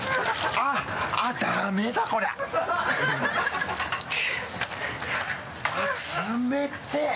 あっ冷てぇ。